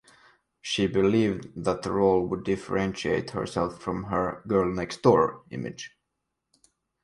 She believed that the role would differentiate herself from her "girl-next-door" image.